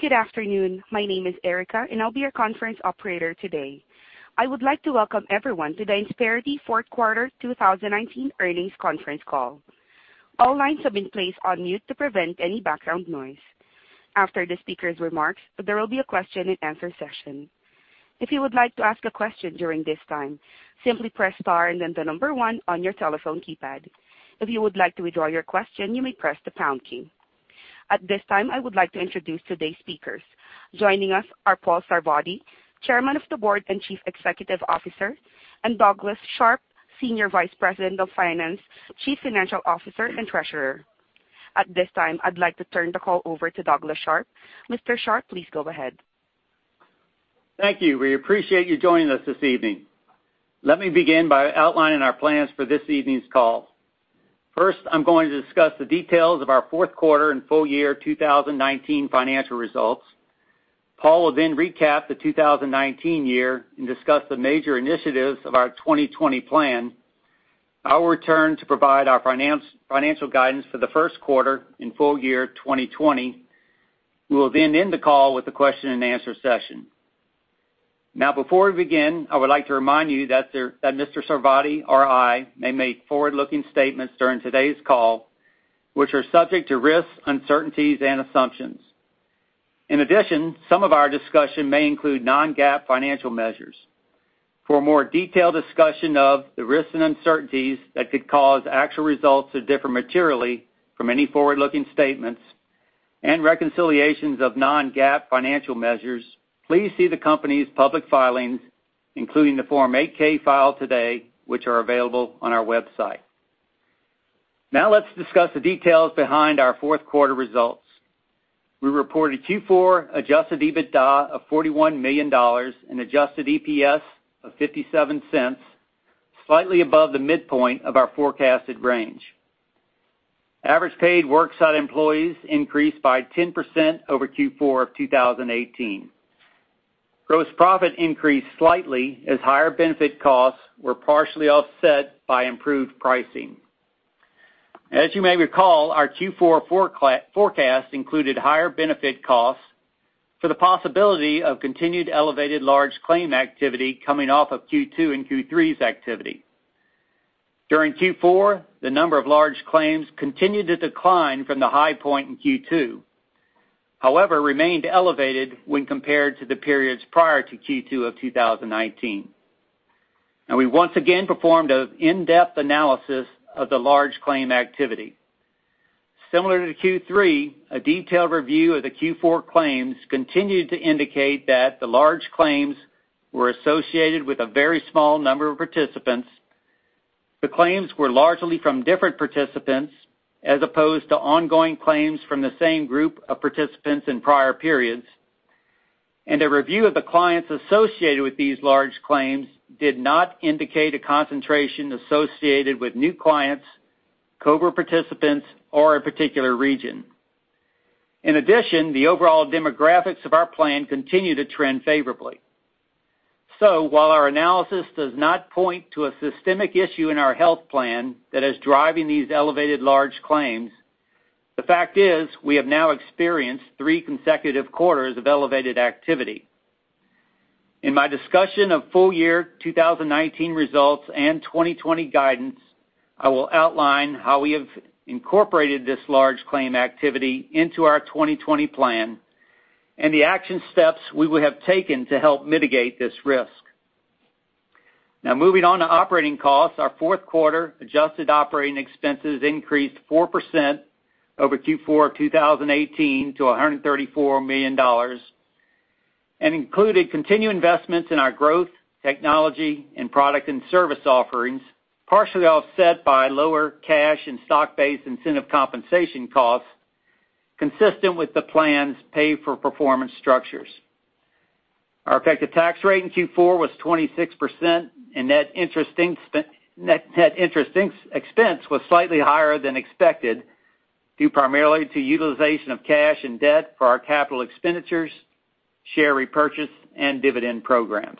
Good afternoon. My name is Erica, and I'll be your conference operator today. I would like to welcome everyone to the Insperity fourth quarter 2019 earnings conference call. All lines have been placed on mute to prevent any background noise. After the speakers' remarks, there will be a question and answer session. If you would like to ask a question during this time, simply press star and then the number one on your telephone keypad. If you would like to withdraw your question, you may press the pound key. At this time, I would like to introduce today's speakers. Joining us are Paul Sarvadi, Chairman of the Board and Chief Executive Officer, and Douglas Sharp, Senior Vice President of Finance, Chief Financial Officer, and Treasurer. At this time, I'd like to turn the call over to Douglas Sharp. Mr. Sharp, please go ahead. Thank you. We appreciate you joining us this evening. Let me begin by outlining our plans for this evening's call. First, I'm going to discuss the details of our fourth quarter and full year 2019 financial results. Paul will then recap the 2019 year and discuss the major initiatives of our 2020 plan. I will return to provide our financial guidance for the first quarter and full year 2020. We will then end the call with a question and answer session. Before we begin, I would like to remind you that Mr. Sarvadi or I may make forward-looking statements during today's call, which are subject to risks, uncertainties, and assumptions. In addition, some of our discussion may include non-GAAP financial measures. For a more detailed discussion of the risks and uncertainties that could cause actual results to differ materially from any forward-looking statements and reconciliations of non-GAAP financial measures, please see the company's public filings, including the Form 8-K filed today, which are available on our website. Now let's discuss the details behind our fourth quarter results. We reported Q4 adjusted EBITDA of $41 million and adjusted EPS of $0.57, slightly above the midpoint of our forecasted range. Average paid worksite employees increased by 10% over Q4 of 2018. Gross profit increased slightly as higher benefit costs were partially offset by improved pricing. As you may recall, our Q4 forecast included higher benefit costs for the possibility of continued elevated large claim activity coming off of Q2 and Q3's activity. During Q4, the number of large claims continued to decline from the high point in Q2, however, remained elevated when compared to the periods prior to Q2 of 2019. We once again performed an in-depth analysis of the large claim activity. Similar to Q3, a detailed review of the Q4 claims continued to indicate that the large claims were associated with a very small number of participants. The claims were largely from different participants, as opposed to ongoing claims from the same group of participants in prior periods. A review of the clients associated with these large claims did not indicate a concentration associated with new clients, COBRA participants, or a particular region. In addition, the overall demographics of our plan continue to trend favorably. While our analysis does not point to a systemic issue in our health plan that is driving these elevated large claims, the fact is we have now experienced three consecutive quarters of elevated activity. In my discussion of full year 2019 results and 2020 guidance, I will outline how we have incorporated this large claim activity into our 2020 plan and the action steps we will have taken to help mitigate this risk. Moving on to operating costs, our fourth quarter adjusted operating expenses increased 4% over Q4 of 2018 to $134 million and included continued investments in our growth, technology, and product and service offerings, partially offset by lower cash and stock-based incentive compensation costs, consistent with the plan's pay-for-performance structures. Our effective tax rate in Q4 was 26%, and net interest expense was slightly higher than expected, due primarily to utilization of cash and debt for our capital expenditures, share repurchase, and dividend programs.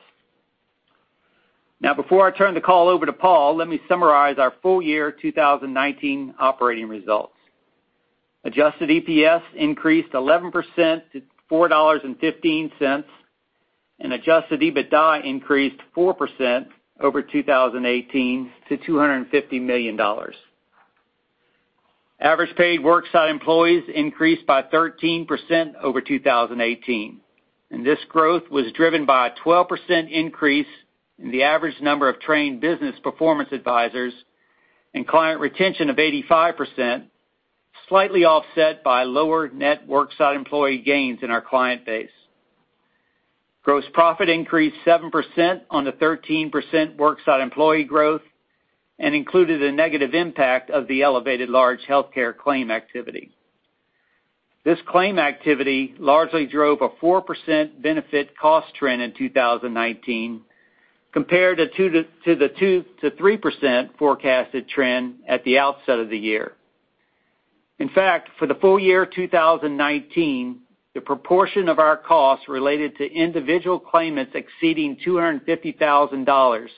Before I turn the call over to Paul, let me summarize our full year 2019 operating results. Adjusted EPS increased 11% to $4.15, and adjusted EBITDA increased 4% over 2018 to $250 million. Average paid worksite employees increased by 13% over 2018, and this growth was driven by a 12% increase in the average number of trained Business Performance Advisors and client retention of 85%, slightly offset by lower net worksite employee gains in our client base. Gross profit increased 7% on the 13% worksite employee growth and included a negative impact of the elevated large healthcare claim activity. This claim activity largely drove a 4% benefit cost trend in 2019 compared to the 2%-3% forecasted trend at the outset of the year. In fact, for the full year 2019, the proportion of our costs related to individual claimants exceeding $250,000,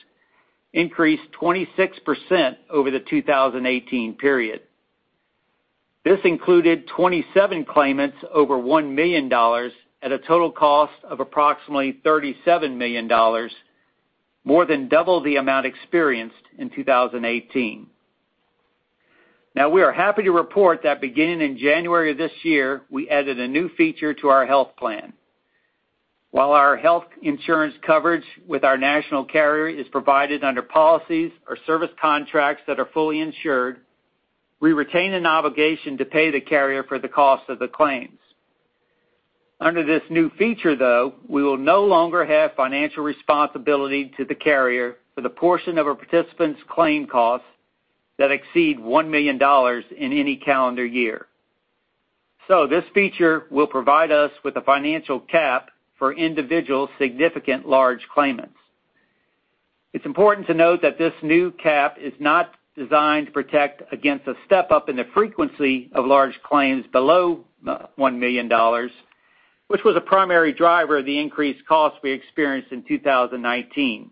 increased 26% over the 2018 period. We are happy to report that beginning in January of this year, we added a new feature to our health plan. While our health insurance coverage with our national carrier is provided under policies or service contracts that are fully insured, we retain an obligation to pay the carrier for the cost of the claims. Under this new feature, though, we will no longer have financial responsibility to the carrier for the portion of a participant's claim costs that exceed $1 million in any calendar year. This feature will provide us with a financial cap for individual significant large claimants. It's important to note that this new cap is not designed to protect against a step-up in the frequency of large claims below $1 million, which was a primary driver of the increased cost we experienced in 2019.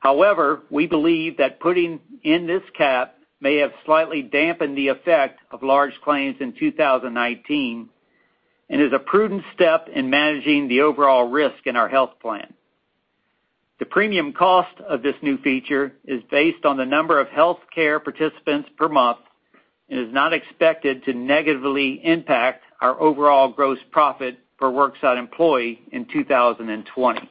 However, we believe that putting in this cap may have slightly dampened the effect of large claims in 2019 and is a prudent step in managing the overall risk in our health plan. The premium cost of this new feature is based on the number of healthcare participants per month and is not expected to negatively impact our overall gross profit for worksite employee in 2020.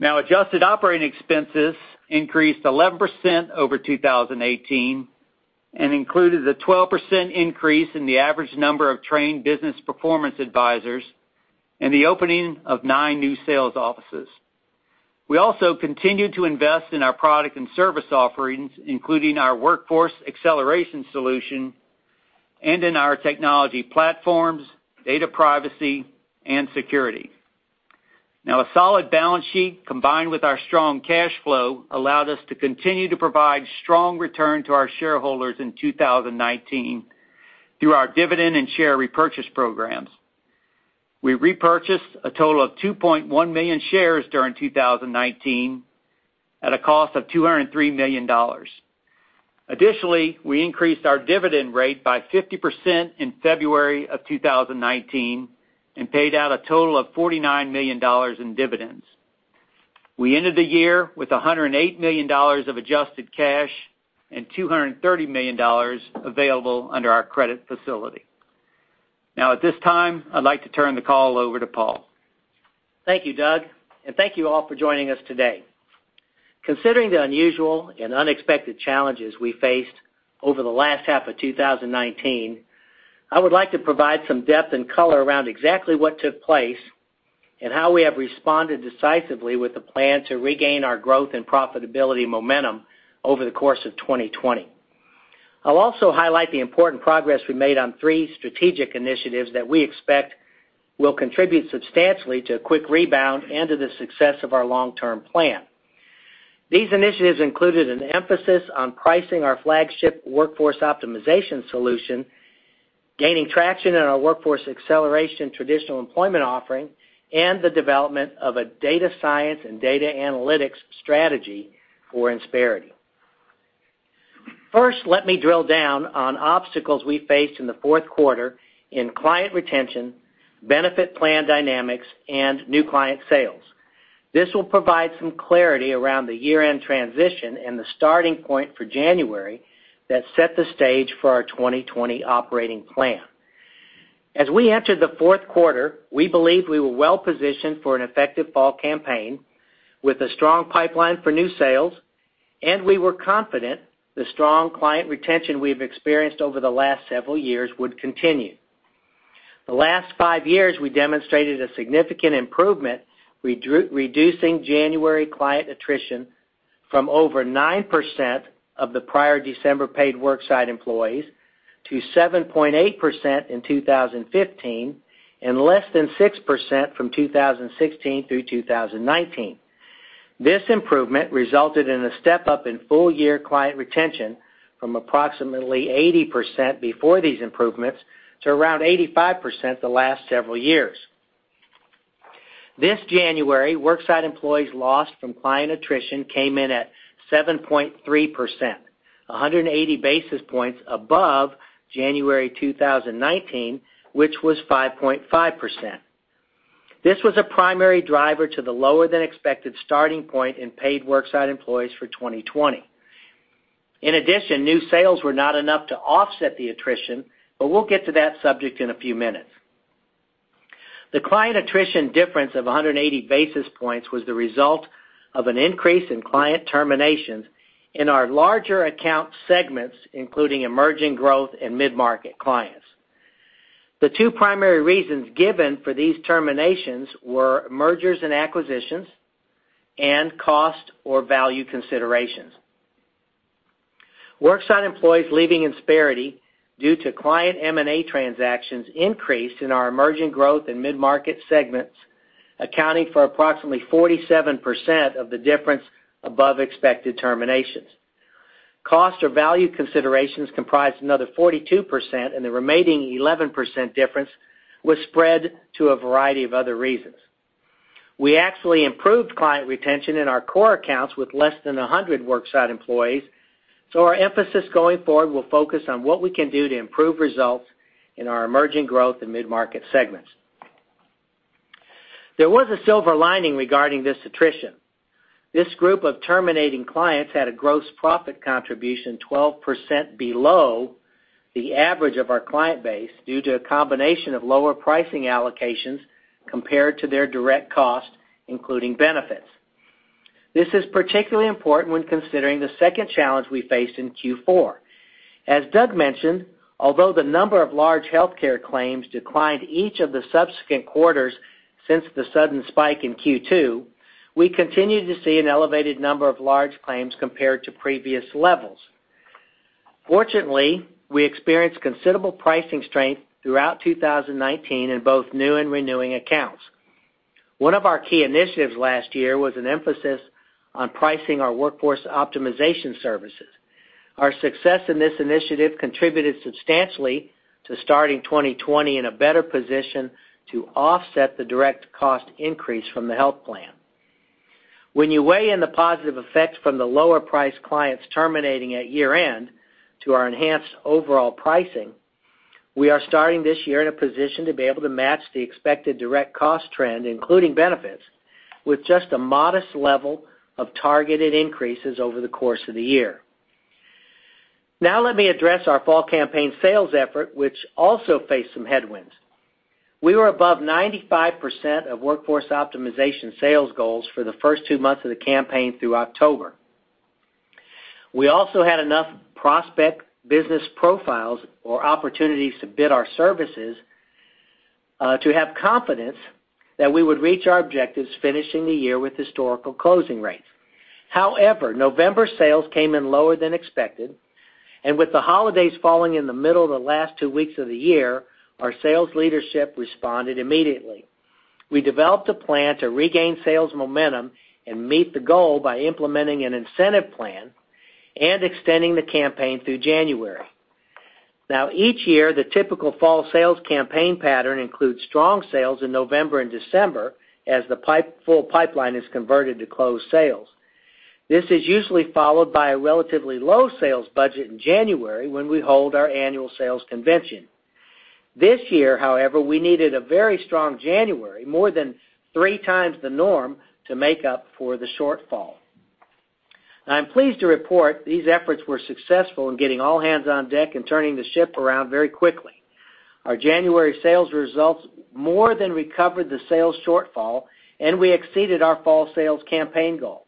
Adjusted operating expenses increased 11% over 2018 and included a 12% increase in the average number of trained Business Performance Advisors and the opening of nine new sales offices. We also continued to invest in our product and service offerings, including our Workforce Acceleration solution and in our technology platforms, data privacy, and security. A solid balance sheet, combined with our strong cash flow, allowed us to continue to provide strong return to our shareholders in 2019 through our dividend and share repurchase programs. We repurchased a total of 2.1 million shares during 2019 at a cost of $203 million. Additionally, we increased our dividend rate by 50% in February of 2019 and paid out a total of $49 million in dividends. We ended the year with $108 million of adjusted cash and $230 million available under our credit facility. Now, at this time, I'd like to turn the call over to Paul. Thank you, Doug. Thank you all for joining us today. Considering the unusual and unexpected challenges we faced over the last half of 2019, I would like to provide some depth and color around exactly what took place and how we have responded decisively with the plan to regain our growth and profitability momentum over the course of 2020. I'll also highlight the important progress we made on three strategic initiatives that we expect will contribute substantially to a quick rebound and to the success of our long-term plan. These initiatives included an emphasis on pricing our flagship Workforce Optimization solution, gaining traction in our Workforce Acceleration traditional employment offering, and the development of a data science and data analytics strategy for Insperity. First, let me drill down on obstacles we faced in the fourth quarter in client retention, benefit plan dynamics, and new client sales. This will provide some clarity around the year-end transition and the starting point for January that set the stage for our 2020 operating plan. As we entered the fourth quarter, we believed we were well-positioned for an effective fall campaign with a strong pipeline for new sales, and we were confident the strong client retention we've experienced over the last several years would continue. The last five years, we demonstrated a significant improvement, reducing January client attrition from over 9% of the prior December paid worksite employees to 7.8% in 2015 and less than 6% from 2016 through 2019. This improvement resulted in a step-up in full-year client retention from approximately 80% before these improvements to around 85% the last several years. This January, worksite employees lost from client attrition came in at 7.3%, 180 basis points above January 2019, which was 5.5%. This was a primary driver to the lower than expected starting point in paid worksite employees for 2020. In addition, new sales were not enough to offset the attrition, but we'll get to that subject in a few minutes. The client attrition difference of 180 basis points was the result of an increase in client terminations in our larger account segments, including emerging growth and mid-market clients. The two primary reasons given for these terminations were mergers and acquisitions and cost or value considerations. Worksite employees leaving Insperity due to client M&A transactions increased in our emerging growth and mid-market segments, accounting for approximately 47% of the difference above expected terminations. Cost or value considerations comprised another 42%, and the remaining 11% difference was spread to a variety of other reasons. We actually improved client retention in our core accounts with less than 100 worksite employees. Our emphasis going forward will focus on what we can do to improve results in our emerging growth and mid-market segments. There was a silver lining regarding this attrition. This group of terminating clients had a gross profit contribution 12% below the average of our client base due to a combination of lower pricing allocations compared to their direct costs, including benefits. This is particularly important when considering the second challenge we faced in Q4. As Doug mentioned, although the number of large healthcare claims declined each of the subsequent quarters since the sudden spike in Q2, we continue to see an elevated number of large claims compared to previous levels. Fortunately, we experienced considerable pricing strength throughout 2019 in both new and renewing accounts. One of our key initiatives last year was an emphasis on pricing our Workforce Optimization services. Our success in this initiative contributed substantially to starting 2020 in a better position to offset the direct cost increase from the health plan. When you weigh in the positive effects from the lower priced clients terminating at year-end to our enhanced overall pricing, we are starting this year in a position to be able to match the expected direct cost trend, including benefits, with just a modest level of targeted increases over the course of the year. Now let me address our fall campaign sales effort, which also faced some headwinds. We were above 95% of Workforce Optimization sales goals for the first two months of the campaign through October. We also had enough prospect business profiles or opportunities to bid our services, to have confidence that we would reach our objectives finishing the year with historical closing rates. However, November sales came in lower than expected, and with the holidays falling in the middle of the last two weeks of the year, our sales leadership responded immediately. We developed a plan to regain sales momentum and meet the goal by implementing an incentive plan and extending the campaign through January. Now, each year, the typical fall sales campaign pattern includes strong sales in November and December as the full pipeline is converted to closed sales. This is usually followed by a relatively low sales budget in January when we hold our annual sales convention. This year, however, we needed a very strong January, more than three times the norm, to make up for the shortfall. I'm pleased to report these efforts were successful in getting all hands on deck and turning the ship around very quickly. Our January sales results more than recovered the sales shortfall, and we exceeded our fall sales campaign goal.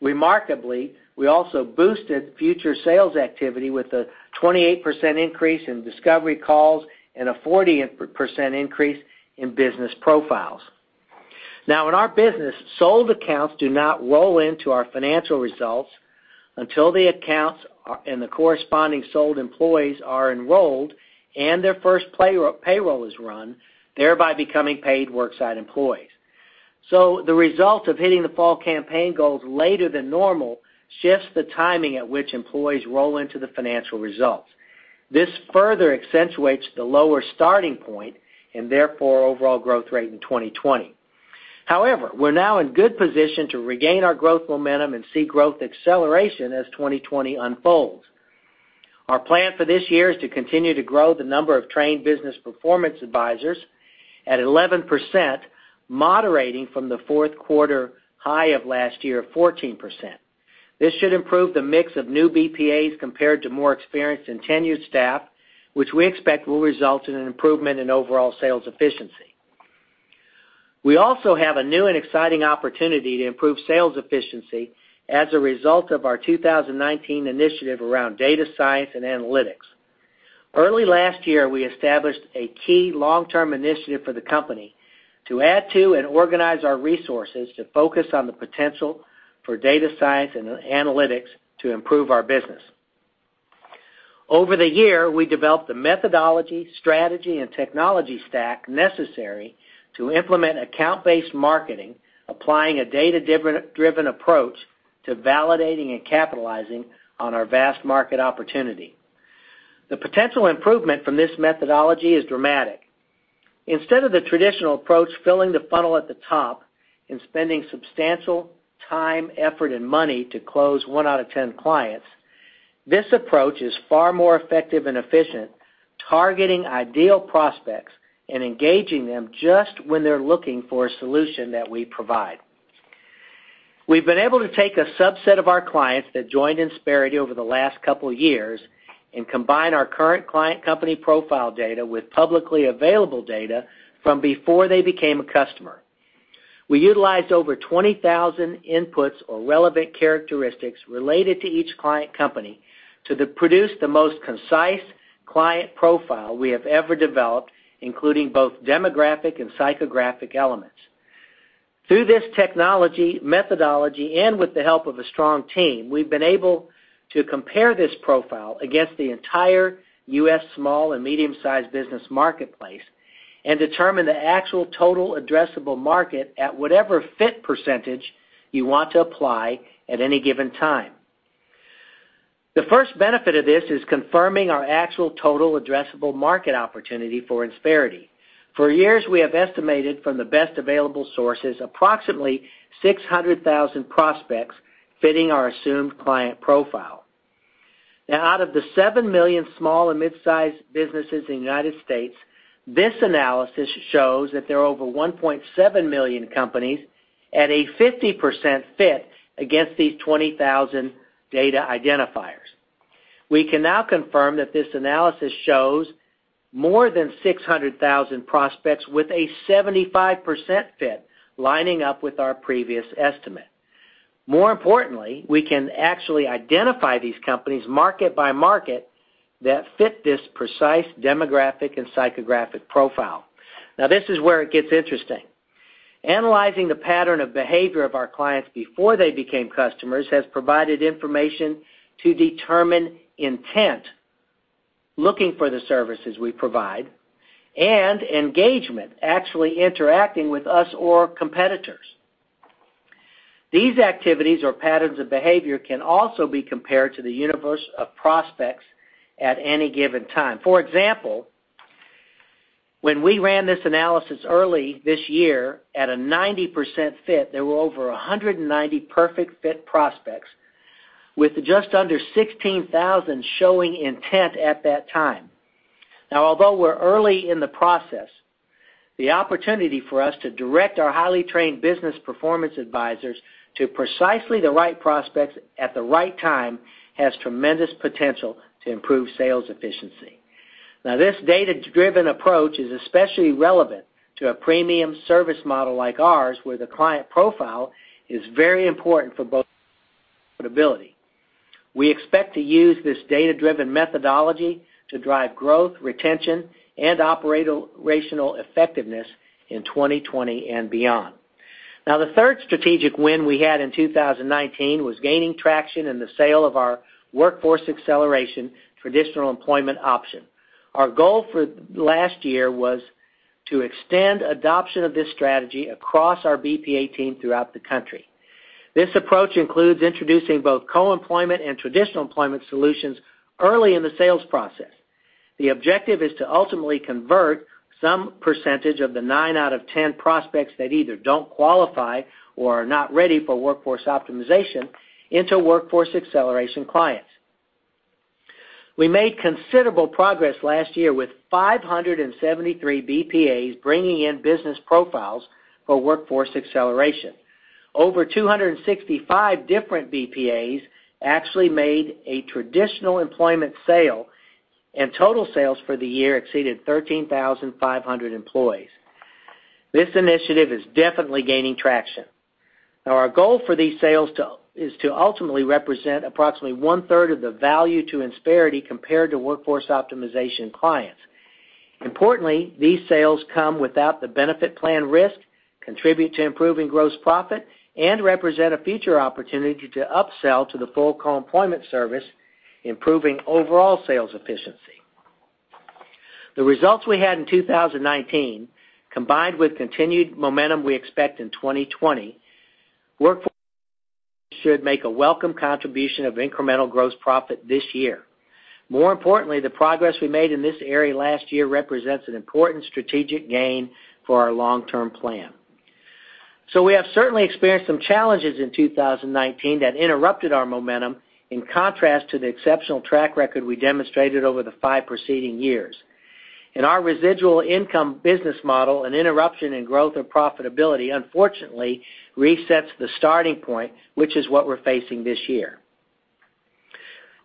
Remarkably, we also boosted future sales activity with a 28% increase in discovery calls and a 40% increase in business profiles. In our business, sold accounts do not roll into our financial results until the accounts and the corresponding sold employees are enrolled and their first payroll is run, thereby becoming paid worksite employees. The result of hitting the fall campaign goals later than normal shifts the timing at which employees roll into the financial results. This further accentuates the lower starting point and therefore overall growth rate in 2020. However, we're now in good position to regain our growth momentum and see growth acceleration as 2020 unfolds. Our plan for this year is to continue to grow the number of trained Business Performance Advisors at 11%, moderating from the fourth quarter high of last year of 14%. This should improve the mix of new BPAs compared to more experienced and tenured staff, which we expect will result in an improvement in overall sales efficiency. We also have a new and exciting opportunity to improve sales efficiency as a result of our 2019 initiative around data science and analytics. Early last year, we established a key long-term initiative for the company to add to and organize our resources to focus on the potential for data science and analytics to improve our business. Over the year, we developed the methodology, strategy, and technology stack necessary to implement account-based marketing, applying a data-driven approach to validating and capitalizing on our vast market opportunity. The potential improvement from this methodology is dramatic. Instead of the traditional approach, filling the funnel at the top and spending substantial time, effort, and money to close one out of 10 clients, this approach is far more effective and efficient, targeting ideal prospects and engaging them just when they're looking for a solution that we provide. We've been able to take a subset of our clients that joined Insperity over the last couple of years and combine our current client company profile data with publicly available data from before they became a customer. We utilized over 20,000 inputs or relevant characteristics related to each client company to produce the most concise client profile we have ever developed, including both demographic and psychographic elements. Through this technology, methodology, and with the help of a strong team, we've been able to compare this profile against the entire U.S. small and medium-sized business marketplace and determine the actual total addressable market at whatever fit percentage you want to apply at any given time. The first benefit of this is confirming our actual total addressable market opportunity for Insperity. For years, we have estimated from the best available sources, approximately 600,000 prospects fitting our assumed client profile. Out of the 7 million small and mid-sized businesses in the United States, this analysis shows that there are over 1.7 million companies at a 50% fit against these 20,000 data identifiers. We can now confirm that this analysis shows more than 600,000 prospects with a 75% fit, lining up with our previous estimate. More importantly, we can actually identify these companies market by market that fit this precise demographic and psychographic profile. This is where it gets interesting. Analyzing the pattern of behavior of our clients before they became customers has provided information to determine intent, looking for the services we provide, and engagement, actually interacting with us or competitors. These activities or patterns of behavior can also be compared to the universe of prospects at any given time. For example, when we ran this analysis early this year at a 90% fit, there were over 190 perfect fit prospects with just under 16,000 showing intent at that time. Although we're early in the process, the opportunity for us to direct our highly trained Business Performance Advisors to precisely the right prospects at the right time has tremendous potential to improve sales efficiency. This data-driven approach is especially relevant to a premium service model like ours, where the client profile is very important for both ability. We expect to use this data-driven methodology to drive growth, retention, and operational effectiveness in 2020 and beyond. The third strategic win we had in 2019 was gaining traction in the sale of our Workforce Acceleration traditional employment option. Our goal for last year was to extend adoption of this strategy across our BPA team throughout the country. This approach includes introducing both co-employment and traditional employment solutions early in the sales process. The objective is to ultimately convert some percentage of the nine out of 10 prospects that either don't qualify or are not ready for Workforce Optimization into Workforce Acceleration clients. We made considerable progress last year with 573 BPAs bringing in business profiles for Workforce Acceleration. Over 265 different BPAs actually made a traditional employment sale, and total sales for the year exceeded 13,500 employees. This initiative is definitely gaining traction. Our goal for these sales is to ultimately represent approximately one-third of the value to Insperity compared to Workforce Optimization clients. Importantly, these sales come without the benefit plan risk, contribute to improving gross profit, and represent a future opportunity to upsell to the full co-employment service, improving overall sales efficiency. The results we had in 2019, combined with continued momentum we expect in 2020, Workforce should make a welcome contribution of incremental gross profit this year. More importantly, the progress we made in this area last year represents an important strategic gain for our long-term plan. We have certainly experienced some challenges in 2019 that interrupted our momentum, in contrast to the exceptional track record we demonstrated over the five preceding years. In our residual income business model, an interruption in growth or profitability, unfortunately, resets the starting point, which is what we're facing this year.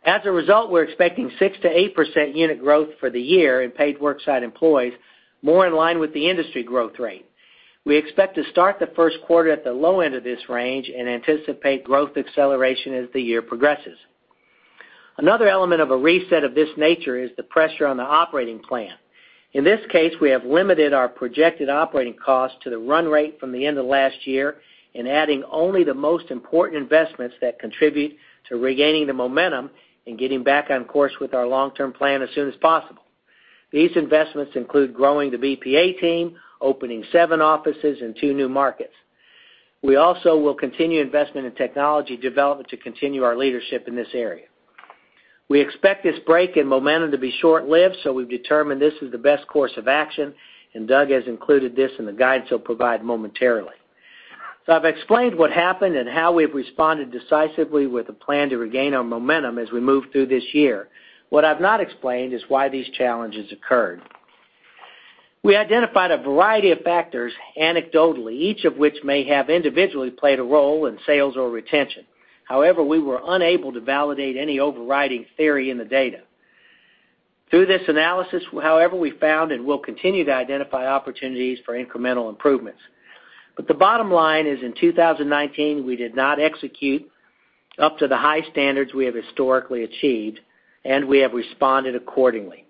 As a result, we're expecting 6%-8% unit growth for the year in paid worksite employees, more in line with the industry growth rate. We expect to start the first quarter at the low end of this range and anticipate growth acceleration as the year progresses. Another element of a reset of this nature is the pressure on the operating plan. In this case, we have limited our projected operating costs to the run rate from the end of last year and adding only the most important investments that contribute to regaining the momentum and getting back on course with our long-term plan as soon as possible. These investments include growing the BPA team, opening seven offices in two new markets. We also will continue investment in technology development to continue our leadership in this area. We expect this break in momentum to be short-lived, so we've determined this is the best course of action, and Doug has included this in the guidance he'll provide momentarily. I've explained what happened and how we've responded decisively with a plan to regain our momentum as we move through this year. What I've not explained is why these challenges occurred. We identified a variety of factors anecdotally, each of which may have individually played a role in sales or retention. However, we were unable to validate any overriding theory in the data. Through this analysis, however, we found and will continue to identify opportunities for incremental improvements. The bottom line is, in 2019, we did not execute up to the high standards we have historically achieved, and we have responded accordingly.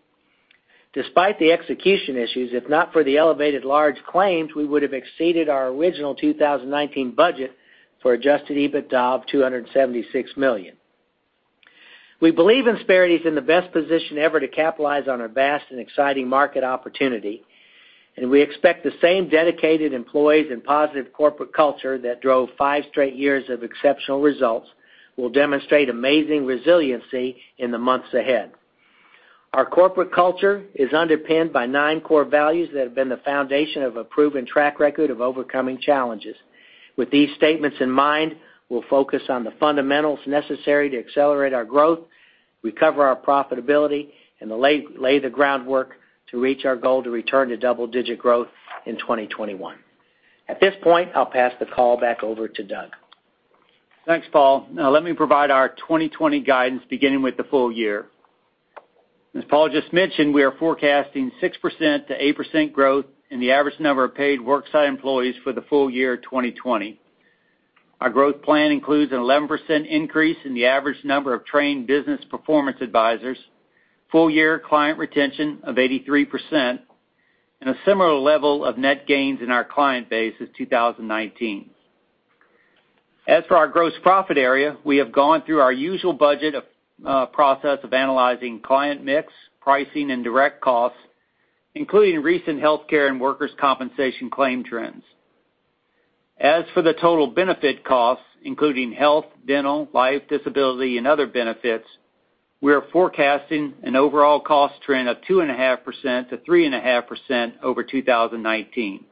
Despite the execution issues, if not for the elevated large claims, we would have exceeded our original 2019 budget for adjusted EBITDA of $276 million. We believe Insperity is in the best position ever to capitalize on our vast and exciting market opportunity. We expect the same dedicated employees and positive corporate culture that drove five straight years of exceptional results will demonstrate amazing resiliency in the months ahead. Our corporate culture is underpinned by nine core values that have been the foundation of a proven track record of overcoming challenges. With these statements in mind, we'll focus on the fundamentals necessary to accelerate our growth, recover our profitability, and lay the groundwork to reach our goal to return to double-digit growth in 2021. At this point, I'll pass the call back over to Doug. Thanks, Paul. Now, let me provide our 2020 guidance, beginning with the full year. As Paul just mentioned, we are forecasting 6%-8% growth in the average number of paid worksite employees for the full year 2020. Our growth plan includes an 11% increase in the average number of trained Business Performance Advisors, full-year client retention of 83%, and a similar level of net gains in our client base as 2019. As for our gross profit area, we have gone through our usual budget process of analyzing client mix, pricing, and direct costs, including recent healthcare and workers' compensation claim trends. As for the total benefit costs, including health, dental, life, disability, and other benefits, we are forecasting an overall cost trend of 2.5%-3.5% over 2019.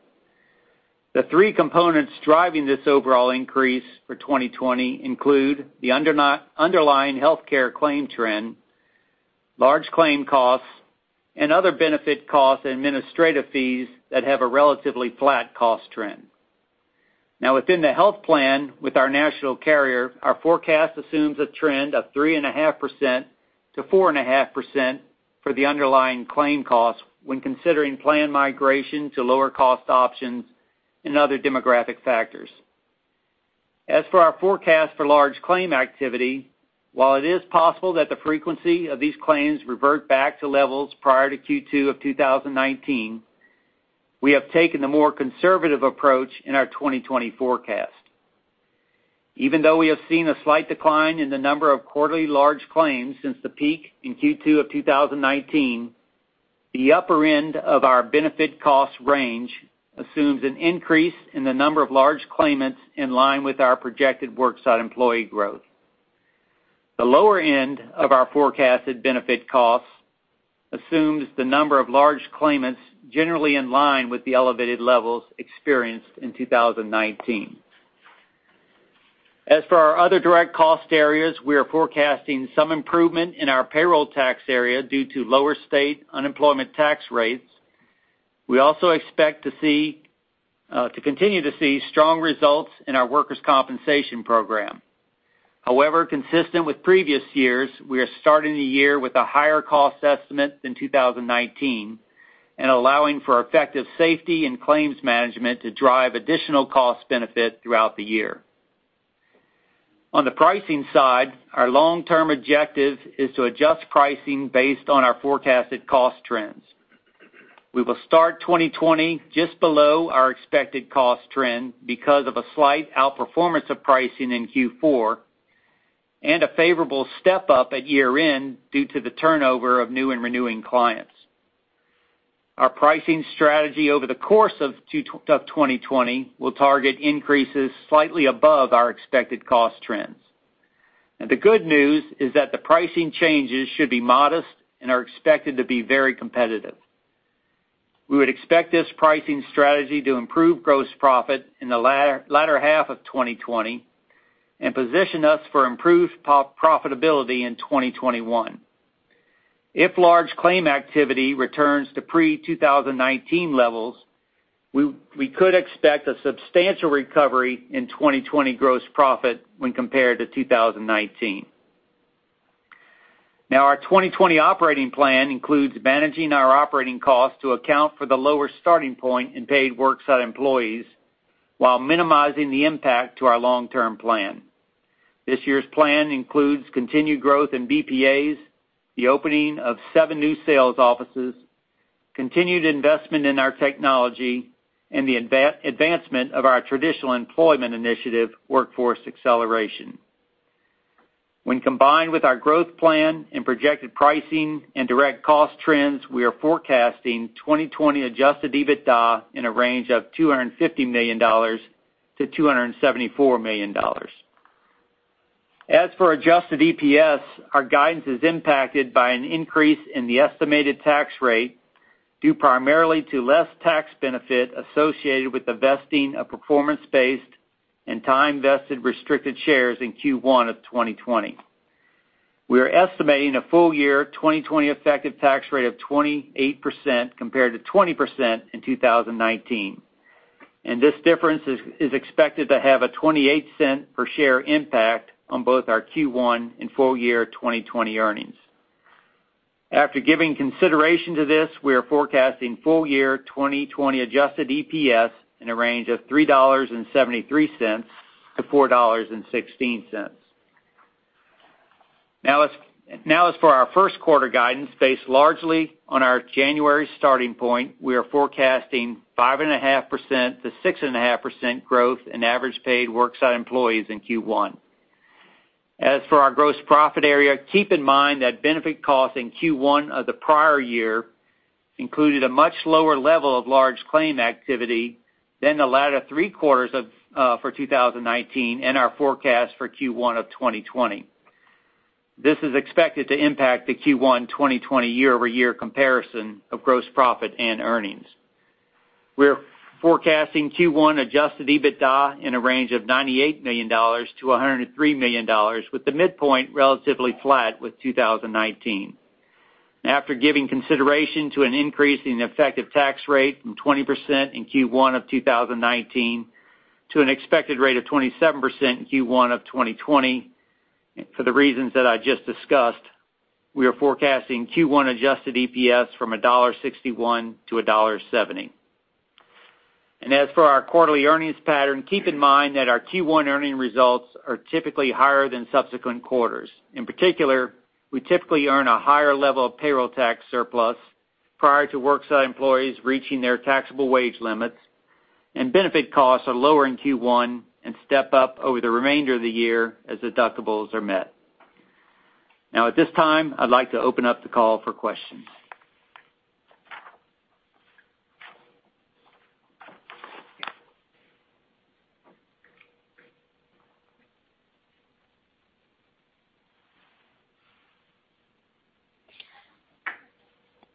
The three components driving this overall increase for 2020 include the underlying healthcare claim trend, large claim costs, and other benefit costs and administrative fees that have a relatively flat cost trend. Within the health plan with our national carrier, our forecast assumes a trend of 3.5%-4.5% for the underlying claim costs when considering plan migration to lower-cost options and other demographic factors. For our forecast for large claim activity, while it is possible that the frequency of these claims revert back to levels prior to Q2 of 2019, we have taken the more conservative approach in our 2020 forecast. Even though we have seen a slight decline in the number of quarterly large claims since the peak in Q2 of 2019, the upper end of our benefit cost range assumes an increase in the number of large claimants in line with our projected worksite employee growth. The lower end of our forecasted benefit costs assumes the number of large claimants generally in line with the elevated levels experienced in 2019. As for our other direct cost areas, we are forecasting some improvement in our payroll tax area due to lower state unemployment tax rates. We also expect to continue to see strong results in our workers' compensation program. Consistent with previous years, we are starting the year with a higher cost estimate than 2019 and allowing for effective safety and claims management to drive additional cost benefit throughout the year. On the pricing side, our long-term objective is to adjust pricing based on our forecasted cost trends. We will start 2020 just below our expected cost trend because of a slight outperformance of pricing in Q4 and a favorable step-up at year-end due to the turnover of new and renewing clients. Our pricing strategy over the course of 2020 will target increases slightly above our expected cost trends. Now, the good news is that the pricing changes should be modest and are expected to be very competitive. We would expect this pricing strategy to improve gross profit in the latter half of 2020 and position us for improved profitability in 2021. If large claim activity returns to pre-2019 levels, we could expect a substantial recovery in 2020 gross profit when compared to 2019. Now, our 2020 operating plan includes managing our operating costs to account for the lower starting point in paid worksite employees while minimizing the impact to our long-term plan. This year's plan includes continued growth in BPAs, the opening of seven new sales offices, continued investment in our technology, and the advancement of our traditional employment initiative, Workforce Acceleration. When combined with our growth plan and projected pricing and direct cost trends, we are forecasting 2020 adjusted EBITDA in a range of $250 million-$274 million. As for adjusted EPS, our guidance is impacted by an increase in the estimated tax rate due primarily to less tax benefit associated with the vesting of performance-based and time-vested restricted shares in Q1 of 2020. We are estimating a full-year 2020 effective tax rate of 28% compared to 20% in 2019. This difference is expected to have a $0.28 per share impact on both our Q1 and full-year 2020 earnings. After giving consideration to this, we are forecasting full-year 2020 adjusted EPS in a range of $3.73-$4.16. Now, as for our first quarter guidance, based largely on our January starting point, we are forecasting 5.5%-6.5% growth in average paid worksite employees in Q1. As for our gross profit area, keep in mind that benefit costs in Q1 of the prior year included a much lower level of large claim activity than the latter three quarters for 2019 and our forecast for Q1 of 2020. This is expected to impact the Q1 2020 year-over-year comparison of gross profit and earnings. We're forecasting Q1 adjusted EBITDA in a range of $98 million-$103 million, with the midpoint relatively flat with 2019. After giving consideration to an increase in effective tax rate from 20% in Q1 of 2019 to an expected rate of 27% in Q1 of 2020, for the reasons that I just discussed, we are forecasting Q1 adjusted EPS from $1.61-$1.70. As for our quarterly earnings pattern, keep in mind that our Q1 earning results are typically higher than subsequent quarters. In particular, we typically earn a higher level of payroll tax surplus prior to worksite employees reaching their taxable wage limits, and benefit costs are lower in Q1 and step up over the remainder of the year as deductibles are met. At this time, I'd like to open up the call for questions.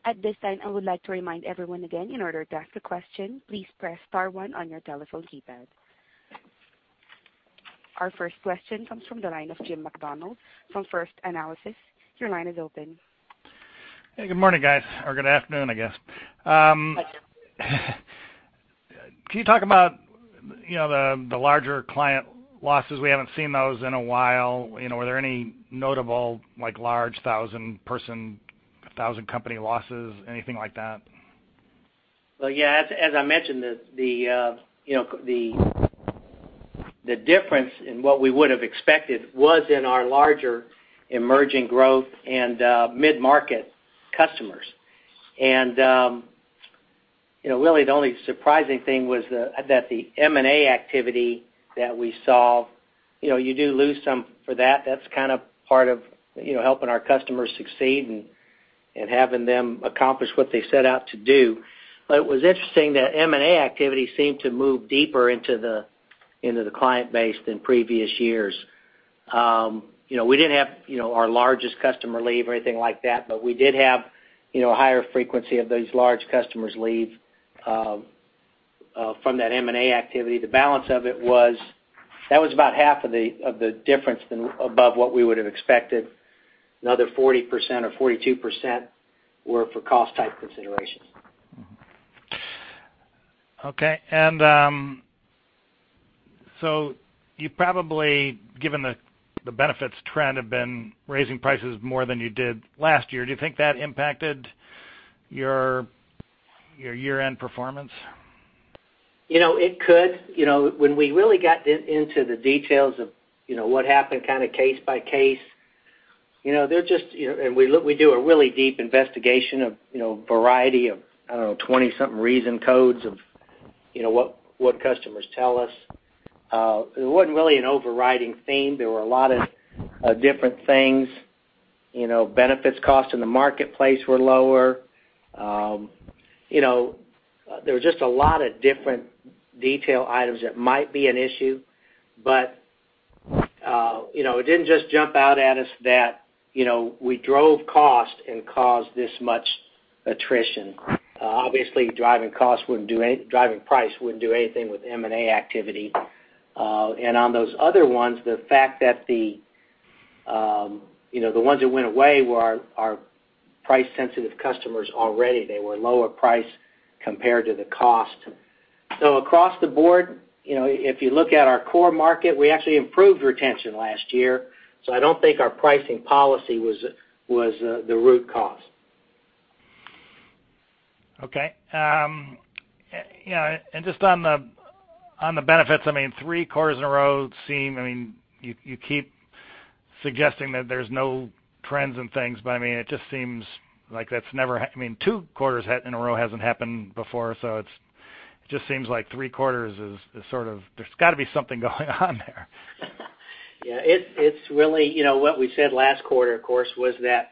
At this time, I would like to remind everyone again, in order to ask a question, please press star one on your telephone keypad. Our first question comes from the line of Jim Macdonald from First Analysis. Your line is open. Hey, good morning, guys, or good afternoon, I guess. Can you talk about the larger client losses? We haven't seen those in a while. Were there any notable, large, 1,000-person, 1,000-company losses, anything like that? Well, yeah, as I mentioned, the difference in what we would have expected was in our larger emerging growth and mid-market customers. Really the only surprising thing was that the M&A activity that we saw, you do lose some for that. That's kind of part of helping our customers succeed and having them accomplish what they set out to do. It was interesting that M&A activity seemed to move deeper into the client base than previous years. We didn't have our largest customer leave or anything like that, but we did have a higher frequency of these large customers leave from that M&A activity. The balance of it was, that was about half of the difference above what we would have expected. Another 40% or 42% were for cost type considerations. Okay. You probably, given the benefits trend, have been raising prices more than you did last year. Do you think that impacted your year-end performance? It could. When we really got into the details of what happened kind of case by case, and we do a really deep investigation of a variety of 20-something reason codes of what customers tell us. It wasn't really an overriding theme. There were a lot of different things. Benefits cost in the marketplace were lower. There were just a lot of different detail items that might be an issue, but it didn't just jump out at us that we drove cost and caused this much attrition. Obviously, driving price wouldn't do anything with M&A activity. On those other ones, the fact that the ones that went away were our price-sensitive customers already. They were lower price compared to the cost. Across the board, if you look at our core market, we actually improved retention last year, so I don't think our pricing policy was the root cause. Okay. Just on the benefits, three quarters in a row. You keep suggesting that there's no trends and things. It just seems like that's never Two quarters in a row hasn't happened before. It just seems like three quarters is sort of, there's got to be something going on there. Yeah. It's really what we said last quarter, of course, was that.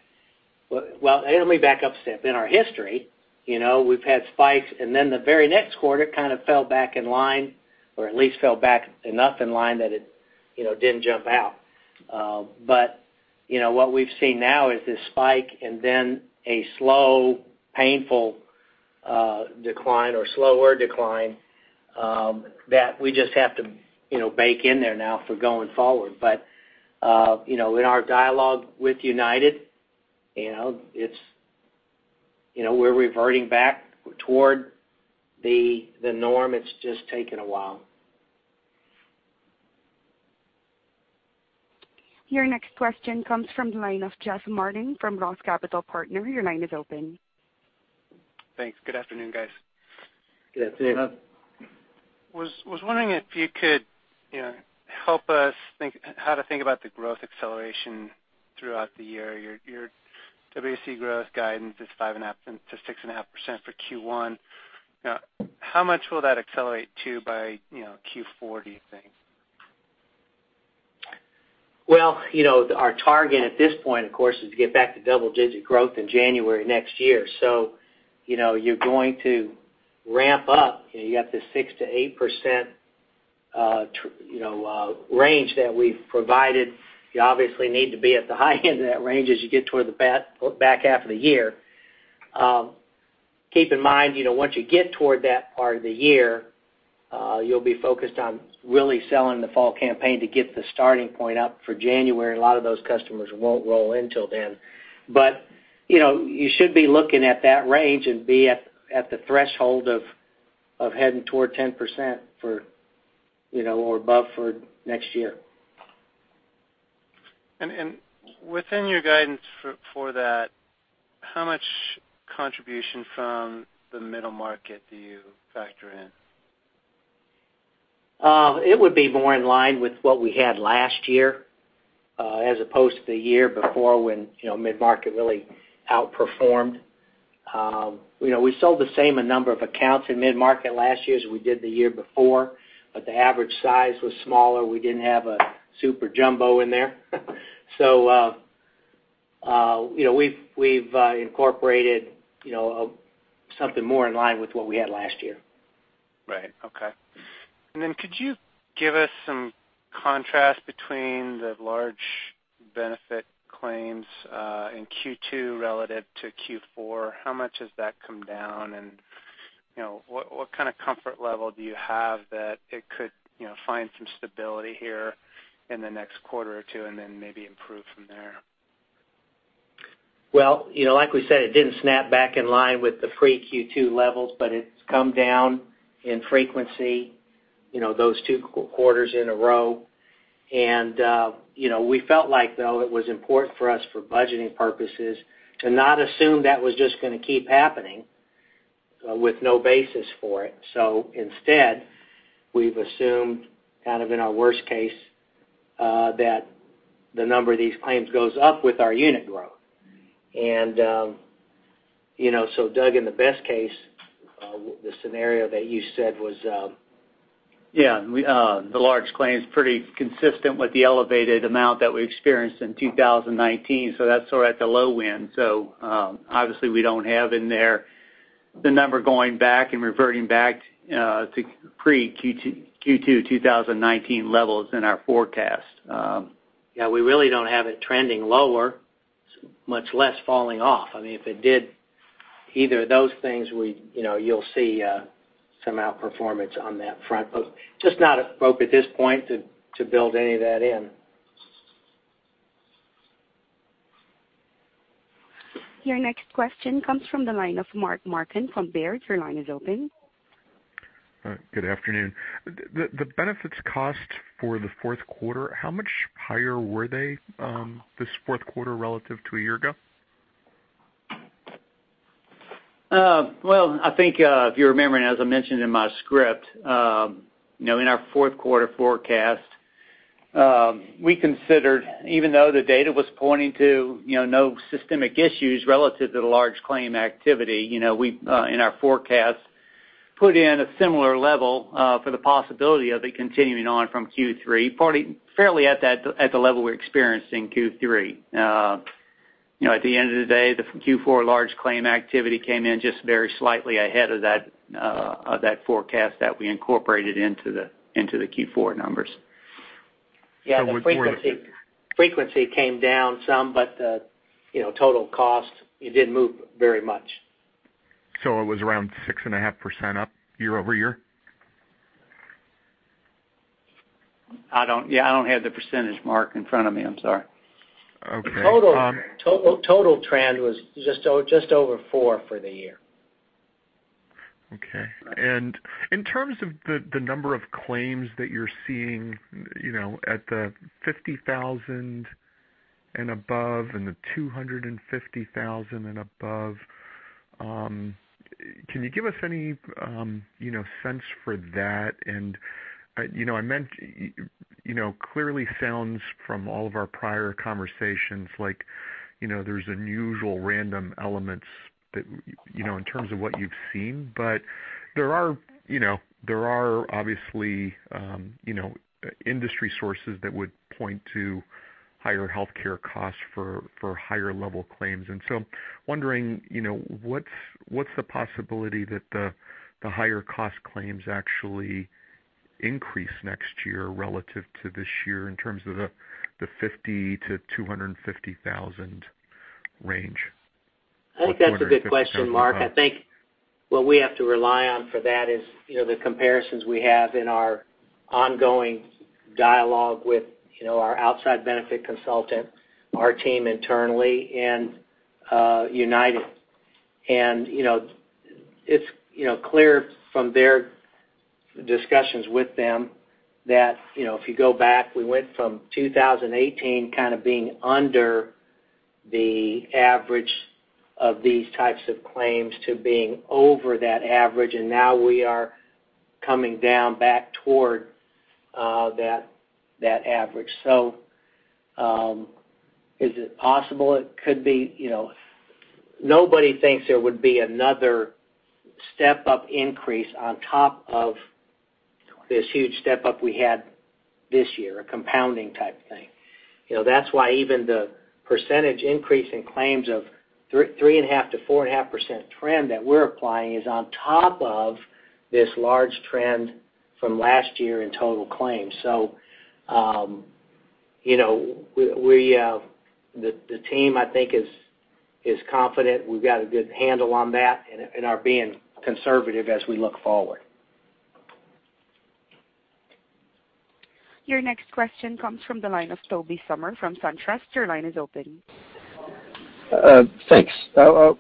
Well, let me back up a step. In our history, we've had spikes, and then the very next quarter, it kind of fell back in line, or at least fell back enough in line that it didn't jump out. What we've seen now is this spike and then a slow, painful decline or slower decline, that we just have to bake in there now for going forward. In our dialogue with UnitedHealthcare, we're reverting back toward the norm. It's just taken a while. Your next question comes from the line of Jeff Martin from Roth Capital Partners. Your line is open. Thanks. Good afternoon, guys. Good afternoon. Was wondering if you could help us think how to think about the growth acceleration. Throughout the year, your WSE growth guidance is 5.5%-6.5% for Q1. How much will that accelerate to by Q4, do you think? Well, our target at this point, of course, is to get back to double-digit growth in January next year. You're going to ramp up. You got this 6%-8% range that we've provided. You obviously need to be at the high end of that range as you get toward the back half of the year. Keep in mind, once you get toward that part of the year, you'll be focused on really selling the fall campaign to get the starting point up for January. A lot of those customers won't roll in till then. You should be looking at that range and be at the threshold of heading toward 10% or above for next year. Within your guidance for that, how much contribution from the middle market do you factor in? It would be more in line with what we had last year, as opposed to the year before when mid-market really outperformed. We sold the same number of accounts in mid-market last year as we did the year before, but the average size was smaller. We didn't have a super jumbo in there. We've incorporated something more in line with what we had last year. Right. Okay. Could you give us some contrast between the large benefit claims, in Q2 relative to Q4? How much has that come down? What kind of comfort level do you have that it could find some stability here in the next quarter or two and then maybe improve from there? Well, like we said, it didn't snap back in line with the pre-Q2 levels, but it's come down in frequency, those two quarters in a row. We felt like, though, it was important for us for budgeting purposes to not assume that was just going to keep happening with no basis for it. Instead, we've assumed kind of in our worst case, that the number of these claims goes up with our unit growth. Doug, in the best case, the scenario that you said was. The large claim's pretty consistent with the elevated amount that we experienced in 2019. That's sort of at the low end. Obviously we don't have in there the number going back and reverting back to pre-Q2 2019 levels in our forecast. Yeah, we really don't have it trending lower, much less falling off. If it did either of those things, you'll see some outperformance on that front. Just not appropriate at this point to build any of that in. Your next question comes from the line of Mark Marcon from Baird. Your line is open. Good afternoon. The benefits cost for the fourth quarter, how much higher were they, this fourth quarter relative to a year ago? Well, I think, if you remember, as I mentioned in my script, in our fourth quarter forecast, we considered, even though the data was pointing to no systemic issues relative to the large claim activity, we, in our forecast, put in a similar level for the possibility of it continuing on from Q3, fairly at the level we experienced in Q3. At the end of the day, the Q4 large claim activity came in just very slightly ahead of that forecast that we incorporated into the Q4 numbers. Yeah. The frequency came down some, but the total cost, it didn't move very much. It was around 6.5% up year-over-year? Yeah, I don't have the percentage, Mark, in front of me. I'm sorry. Okay. Total trend was just over four for the year. Okay. In terms of the number of claims that you're seeing at the $50,000 and above and the $250,000 and above, can you give us any sense for that? It clearly sounds from all of our prior conversations like there's unusual random elements in terms of what you've seen. There are obviously industry sources that would point to higher healthcare costs for higher level claims. Wondering, what's the possibility that the higher cost claims actually increase next year relative to this year in terms of the $50,000-$250,000 range? I think that's a good question, Mark. I think what we have to rely on for that is the comparisons we have in our ongoing dialogue with our outside benefit consultant, our team internally, and UnitedHealthcare. It's clear from their discussions with them that, if you go back, we went from 2018 kind of being under the average of these types of claims to being over that average, and now we are coming down back toward that average. Is it possible it could be? Nobody thinks there would be another step-up increase on top of this huge step-up we had this year, a compounding type thing. That's why even the percentage increase in claims of 3.5% to 4.5% trend that we're applying is on top of this large trend from last year in total claims. The team, I think, is confident. We've got a good handle on that and are being conservative as we look forward. Your next question comes from the line of Tobey Sommer from Truist. Your line is open. Thanks.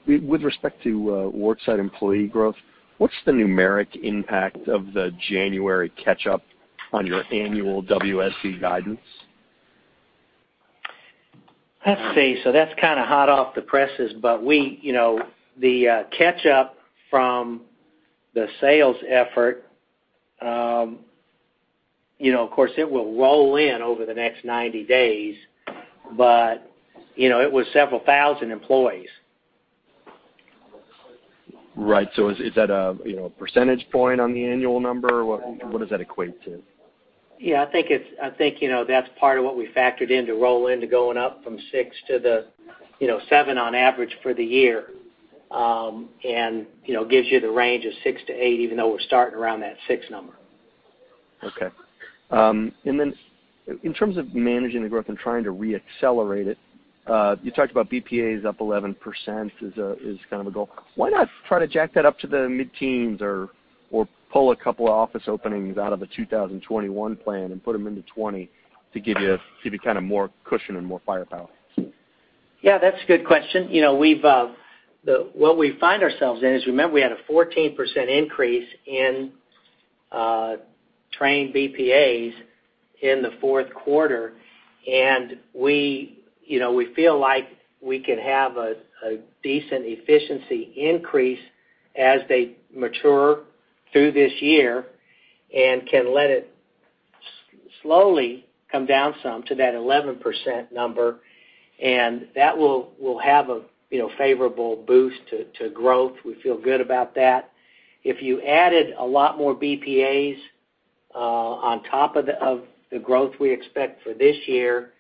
With respect to worksite employee growth, what's the numeric impact of the January catch-up on your annual WSE guidance? Let's see. That's kind of hot off the presses, but the catch-up from the sales effort, of course, it will roll in over the next 90 days. It was several thousand employees. Right. Is that a percentage point on the annual number? What does that equate to? Yeah, I think that's part of what we factored in to roll into going up from six to the seven on average for the year. It gives you the range of six to eight, even though we're starting around that six number. Okay. In terms of managing the growth and trying to re-accelerate it, you talked about BPAs up 11% is kind of a goal. Why not try to jack that up to the mid-teens or pull a couple of office openings out of the 2021 plan and put them into 2020 to give you kind of more cushion and more firepower? Yeah, that's a good question. What we find ourselves in is, remember, we had a 14% increase in trained BPAs in the fourth quarter, and we feel like we can have a decent efficiency increase as they mature through this year and can let it slowly come down some to that 11% number, and that will have a favorable boost to growth. We feel good about that. If you added a lot more BPAs on top of the growth we expect for this year,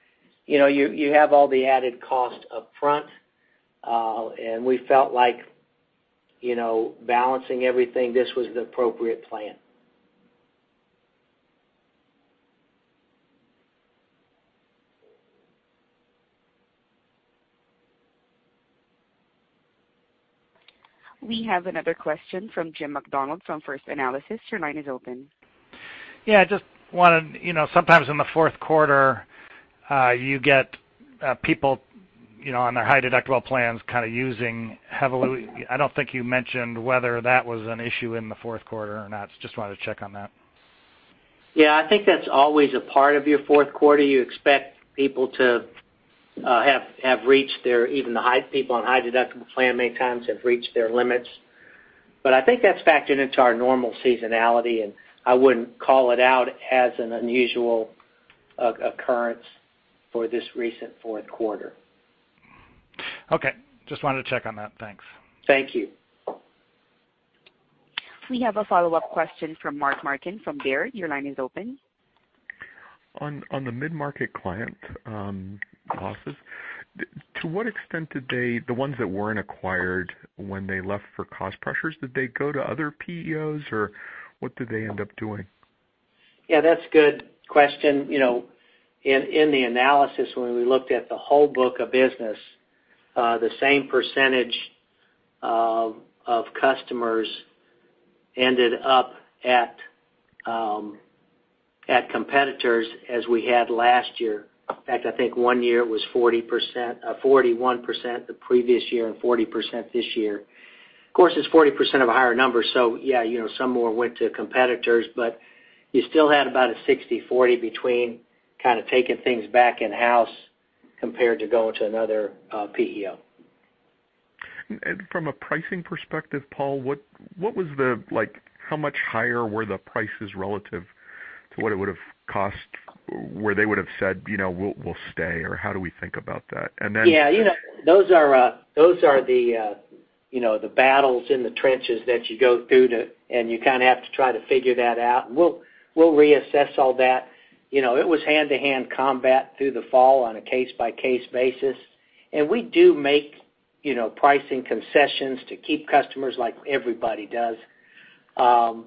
you have all the added cost up front. We felt like balancing everything, this was the appropriate plan. We have another question from Jim Macdonald from First Analysis. Your line is open. Sometimes in the fourth quarter, you get people on their high-deductible plans kind of using heavily. I don't think you mentioned whether that was an issue in the fourth quarter or not. Just wanted to check on that. Yeah, I think that's always a part of your fourth quarter. You expect people to have even the people on high deductible plan many times have reached their limits. I think that's factored into our normal seasonality, and I wouldn't call it out as an unusual occurrence for this recent fourth quarter. Okay. Just wanted to check on that. Thanks. Thank you. We have a follow-up question from Mark Marcon from Baird. Your line is open. On the mid-market client losses, to what extent did they, the ones that weren't acquired when they left for cost pressures, did they go to other PEOs or what did they end up doing? Yeah, that's a good question. In the analysis, when we looked at the whole book of business, the same % of customers ended up at competitors as we had last year. In fact, I think one year it was 41% the previous year and 40% this year. Of course, it's 40% of a higher number. Yeah, some more went to competitors, but you still had about a 60/40 between kind of taking things back in-house compared to going to another PEO. From a pricing perspective, Paul, how much higher were the prices relative to what it would have cost, where they would have said, "We'll stay," or how do we think about that? Yeah. Those are the battles in the trenches that you go through to, and you kind of have to try to figure that out, and we'll reassess all that. It was hand-to-hand combat through the fall on a case-by-case basis. We do make pricing concessions to keep customers like everybody does. One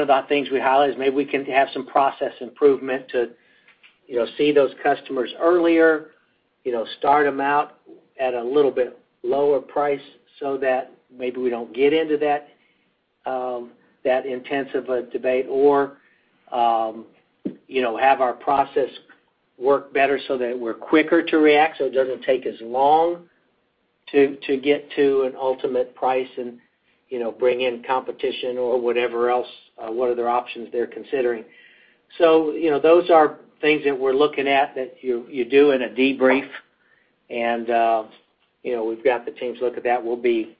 of the things we highlight is maybe we can have some process improvement to see those customers earlier, start them out at a little bit lower price so that maybe we don't get into that intensive a debate or have our process work better so that we're quicker to react, so it doesn't take as long to get to an ultimate price and bring in competition or whatever else, what other options they're considering. Those are things that we're looking at that you do in a debrief, and we've got the teams look at that. We'll be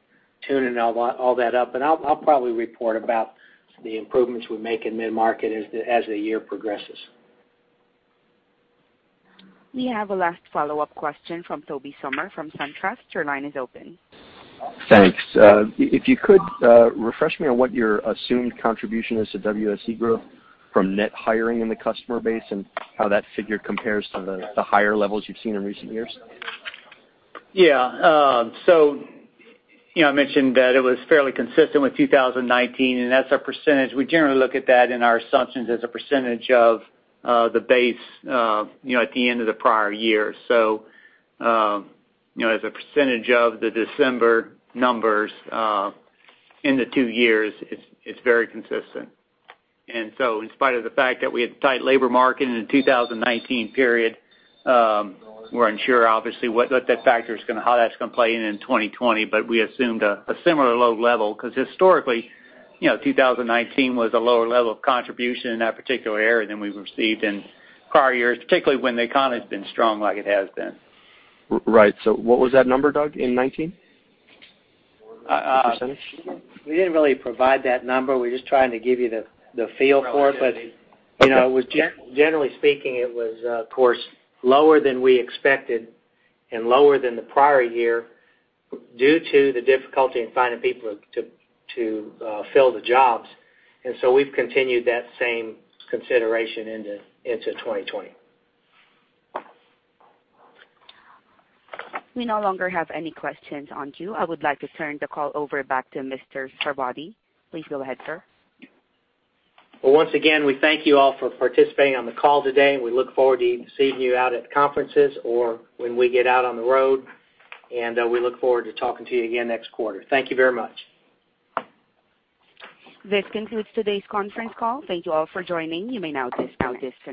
tuning all that up, and I'll probably report about the improvements we make in mid-market as the year progresses. We have a last follow-up question from Tobey Sommer from Truist. Your line is open. Thanks. If you could, refresh me on what your assumed contribution is to WSE growth from net hiring in the customer base and how that figure compares to the higher levels you've seen in recent years. Yeah. I mentioned that it was fairly consistent with 2019, and that's our percent. We generally look at that in our assumptions as a percentage of the base at the end of the prior year. As a % of the December numbers in the two years, it's very consistent. In spite of the fact that we had tight labor market in the 2019 period, we're unsure obviously how that's going to play in 2020, but we assumed a similar load level, because historically, 2019 was a lower level of contribution in that particular area than we've received in prior years, particularly when the economy's been strong like it has been. Right. what was that number, Doug, in 2019? The percentage. We didn't really provide that number. We're just trying to give you the feel for it. Generally speaking, it was, of course, lower than we expected and lower than the prior year due to the difficulty in finding people to fill the jobs. We've continued that same consideration into 2020. We no longer have any questions on queue. I would like to turn the call over back to Mr. Sarvadi. Please go ahead, sir. Well, once again, we thank you all for participating on the call today, and we look forward to seeing you out at conferences or when we get out on the road. We look forward to talking to you again next quarter. Thank you very much. This concludes today's conference call. Thank Thank you all for joining. You may now disconnect.